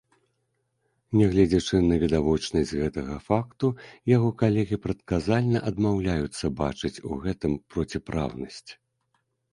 Нягледзячы на відавочнасць гэтага факту, яго калегі прадказальна адмаўляюцца бачыць у гэтым проціпраўнасць.